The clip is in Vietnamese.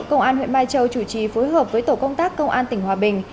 công an huyện mai châu chủ trì phối hợp với tổ công tác công an tỉnh hòa bình